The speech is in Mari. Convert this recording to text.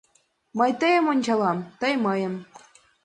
Мый тыйым ончалам, тый — мыйым.